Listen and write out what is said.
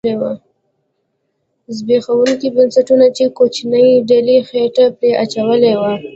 زبېښوونکو بنسټونو چې کوچنۍ ډلې خېټه پرې اچولې وه